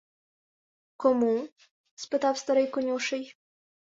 — Кому? — спитав старий конюший.